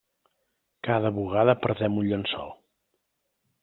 Cada bugada perdem un llençol.